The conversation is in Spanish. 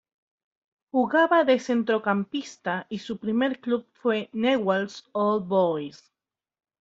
Jugaba de centrocampista y su primer club fue Newell's Old Boys.